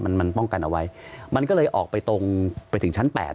มันมันป้องกันเอาไว้มันก็เลยออกไปตรงไปถึงชั้นแปด